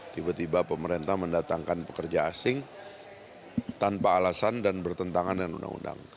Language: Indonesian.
tiba tiba pemerintah mendatangkan pekerja asing tanpa alasan dan bertentangan dengan undang undang